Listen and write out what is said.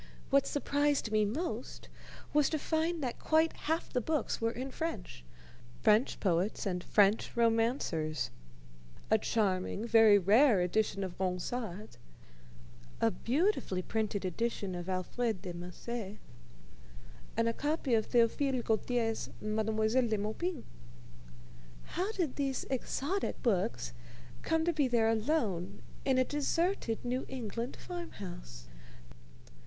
What surprised me most was to find that quite half the books were in French French poets and French romancers: a charming, very rare edition of Ronsard, a beautifully printed edition of Alfred de Musset, and a copy of Théophile Gautier's Mademoiselle de Maupin. How did these exotic books come to be there alone in a deserted New England farm house?